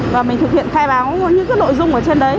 và mình thực hiện khai báo những cái nội dung ở trên đấy